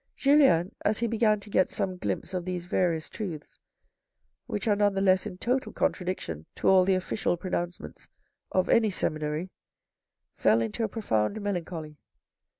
Julien, as he began to get some glimpse of these various truths, which are none the less in total contradiction to all the official pronouncements of any seminary, fell into a profound melancholy.